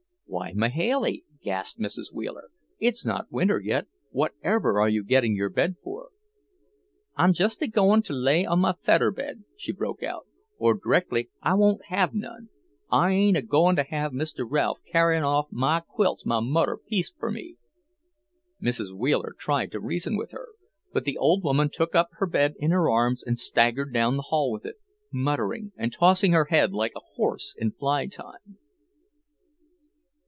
"Why, Mahailey," gasped Mrs. Wheeler. "It's not winter yet; whatever are you getting your bed for?" "I'm just a goin' to lay on my fedder bed," she broke out, "or direc'ly I won't have none. I ain't a goin' to have Mr. Ralph carryin' off my quilts my mudder pieced fur me." Mrs. Wheeler tried to reason with her, but the old woman took up her bed in her arms and staggered down the hall with it, muttering and tossing her head like a horse in fly time.